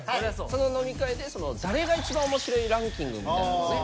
その飲み会で誰が一番面白いランキングみたいなのをね